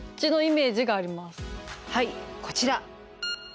はいこちら。